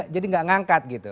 jadi tidak mengangkat gitu